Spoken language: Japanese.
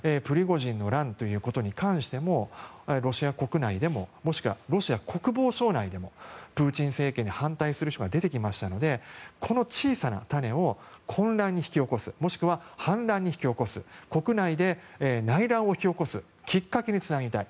当然、これはプリゴジンの乱に関してもロシア国内でももしくはロシア国防省内でもプーチン政権に反対する人が出てきましたのでこの小さな種を混乱に引き起こすもしくは反乱に引き起こす国内で内乱を引き起こすきっかけにつなげたい。